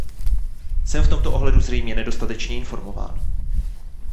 Jsem v tomto ohledu zřejmě nedostatečně informován.